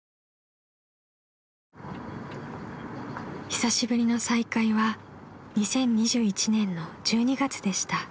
［久しぶりの再会は２０２１年の１２月でした］